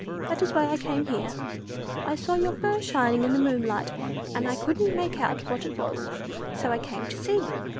That is why I came here. I saw your fur shining in the moonlight, and I couldn't make out what it was, so I came to see.